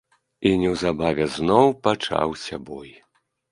І неўзабаве зноў пачаўся бой.